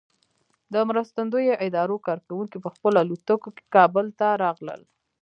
د مرستندویه ادارو کارکوونکي په خپلو الوتکو کې کابل ته راغلل.